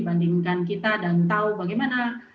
bandingkan kita dan tahu bagaimana